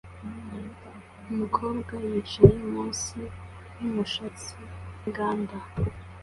Umukobwa yicaye munsi yumushatsi winganda